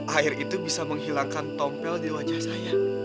air itu bisa menghilangkan tompel di wajah saya